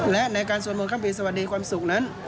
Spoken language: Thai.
และในการสวดมนต์ข้ามปีสวัสดีความสุขนั้น